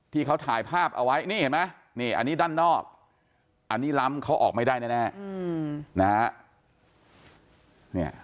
ที่เขาถ่ายภาพเอาไว้นี่เห็นไหมนี่อันนี้ด้านนอกอันนี้ล้ำเขาออกไม่ได้แน่นะฮะ